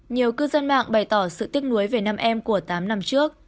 nhiều cư dân mạng bày tỏ sự tiếc nuối về năm em của tám năm trước